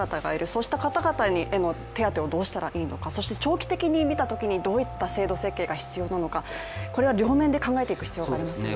そうした方々への手当をどうしたらいいのかそして長期的に見たときにどういった制度設計が必要なのか、両面で考えていく必要がありますね。